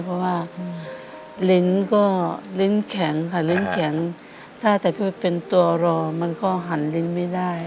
เพราะว่าลิ้นแข็งครับถ้าแต่พี่เป็นตัวรอมันก็หันลิ้นไม่ได้